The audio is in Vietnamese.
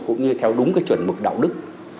cũng như theo đúng cái chuẩn mực đạo đức